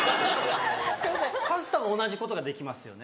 パスタも同じことができますよね